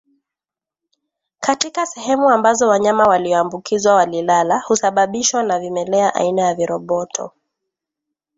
katika sehemu ambazo wanyama walioambukizwa walilala husababishwa na vimelea aina ya viroboto